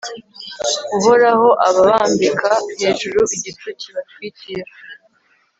uhoraho ababambika hejuru igicu kibatwikira